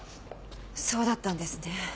そうだったんですね。